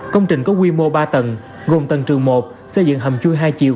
công trình có quy mô ba tầng gồm tầng trường một xây dựng hầm chui hai chiều